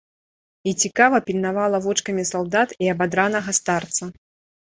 І цікава пільнавала вочкамі салдат і абадранага старца.